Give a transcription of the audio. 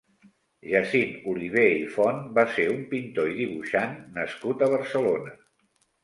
Jacint Olivé i Font va ser un pintor i dibuixant nascut a Barcelona.